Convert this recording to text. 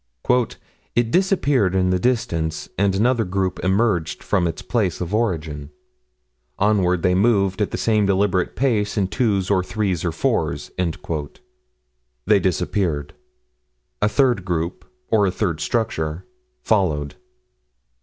"It disappeared in the distance, and another group emerged from its place of origin. Onward they moved, at the same deliberate pace, in twos or threes or fours." They disappeared. A third group, or a third structure, followed.